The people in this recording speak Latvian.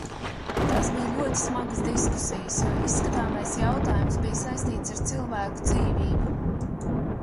Tās bija ļoti smagas diskusijas, jo izskatāmais jautājums bija saistīts ar cilvēku dzīvību.